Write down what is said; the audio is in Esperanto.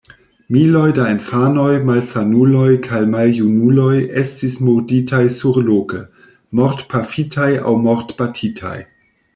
Miloj da infanoj, malsanuloj kaj maljunuloj estis murditaj surloke: mortpafitaj aŭ mortbatitaj.